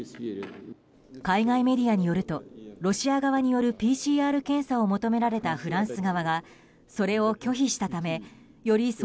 海外メディアによるとロシア側によるＰＣＲ検査を求められたフランス側がそれを拒否したためより